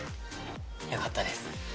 よかったです。